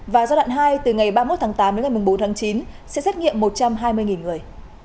và giai đoạn hai từ ngày ba mươi một tháng tám đến ngày bốn tháng chín sẽ xét nghiệm một trăm hai mươi người